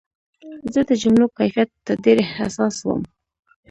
زه د جملو کیفیت ته ډېر حساس وم.